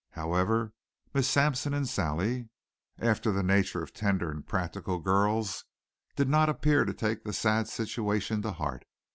However, Miss Sampson and Sally, after the nature of tender and practical girls, did not appear to take the sad situation to heart.